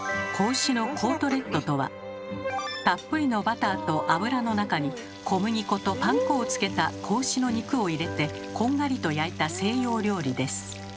子牛のコートレットとはたっぷりのバターと油の中に小麦粉とパン粉をつけた子牛の肉を入れてこんがりと焼いた西洋料理です。